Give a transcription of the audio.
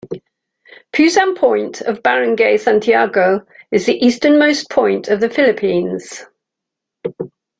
Pusan point of Barangay Santiago is the easternmost point of the Philippines.